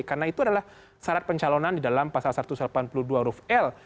karena itu adalah syarat pencalonan di dalam pasal satu ratus delapan puluh dua uruf l